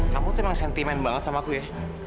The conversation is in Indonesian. kamu tuh emang sentimen banget sama aku ya